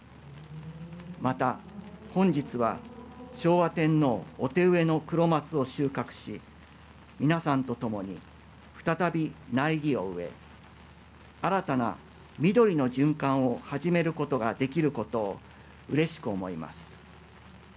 また、本日は昭和天皇お手植えのクロマツを収穫し皆さんとともに再び苗木を植え新たな緑の循環を始めることができることをうれしく思います。